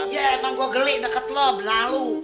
iya emang gua gelik deket lo berlalu